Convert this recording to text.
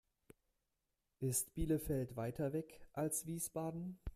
Ist Bielefeld weiter weg als Wiesbaden?